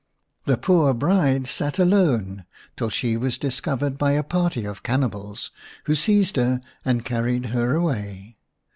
The poor bride sat alone till she was discovered by a party of cannibals, /who seized her and carried her away.